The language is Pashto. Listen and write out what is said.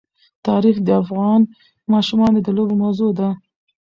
تاریخ د افغان ماشومانو د لوبو موضوع ده.